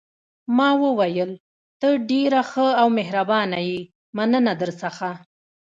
ما وویل: ته ډېره ښه او مهربانه یې، مننه درڅخه.